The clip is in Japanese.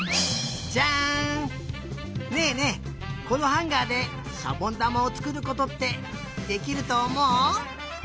このハンガーでしゃぼんだまをつくることってできるとおもう？